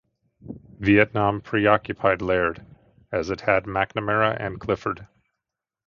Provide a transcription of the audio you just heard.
Vietnam preoccupied Laird as it had McNamara and Clifford.